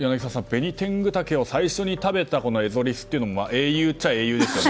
ベニテングタケを最初に食べたエゾリスは英雄っちゃ英雄ですね。